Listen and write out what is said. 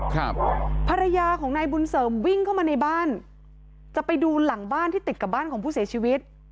ครับภรรยาของนายบุญเสริมวิ่งเข้ามาในบ้านจะไปดูหลังบ้านที่ติดกับบ้านของผู้เสียชีวิต